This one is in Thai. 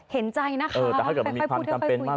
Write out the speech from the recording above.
เห็นใจนะคะแต่ถ้าเกิดมันมีความจำเป็นมาก